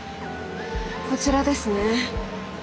こちらですね？